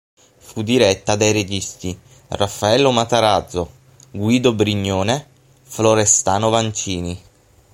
Fu diretta dai registi Raffaello Matarazzo, Guido Brignone, Florestano Vancini.